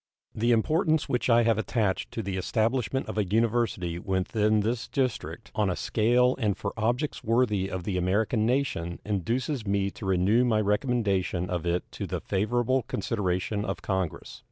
The importance which I have attached to the establishment of a university within this District on a scale and for objects worthy of the American nation induces me to renew my recommendation of it to the favorable consideration of Congress.